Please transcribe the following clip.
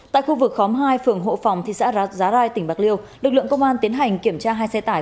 tại khu vực khóm hai phường hộ phòng thị xã giá rai tỉnh bạc liêu lực lượng công an tiến hành kiểm tra hai xe tải